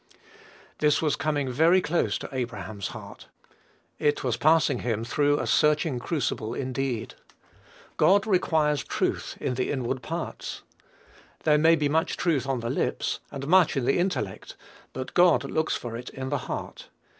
This was coming very close to Abraham's heart. It was passing him through a searching crucible indeed. God "requires truth in the inward parts." There may be much truth on the lips, and much in the intellect, but God looks for it in the heart.